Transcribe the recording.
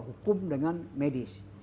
hukum dengan medis